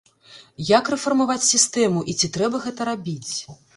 Як рэфармаваць сістэму і ці трэба гэта рабіць?